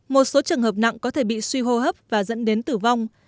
một số trường hợp nặng có thể bị suy hô hấp và dẫn đến tử vong